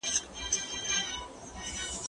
زه به اوږده موده زدکړه کړې وم؟